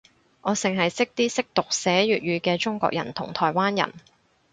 我剩係識啲識讀寫粵語嘅中國人同台灣人